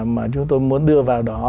mà chúng tôi muốn đưa vào đó